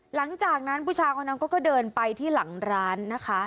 หลังจากนั้นผู้ชายคนนั้นก็เดินไปที่หลังร้านนะคะ